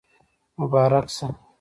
مبارک شه